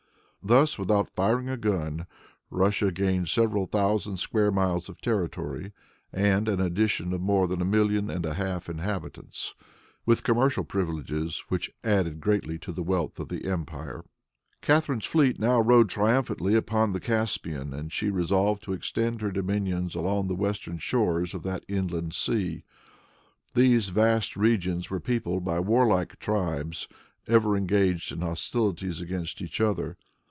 Thus, without firing a gun, Russia gained several thousand square miles of territory, and an addition of more than a million and a half of inhabitants, with commercial privileges which added greatly to the wealth of the empire. Catharine's fleet now rode triumphantly upon the Caspian, and she resolved to extend her dominions along the western shores of that inland sea. These vast regions were peopled by warlike tribes, ever engaged in hostilities against each other.